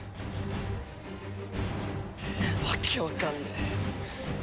訳わかんねえ。